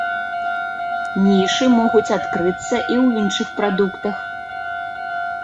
Нішы могуць адкрыцца і ў іншых прадуктах.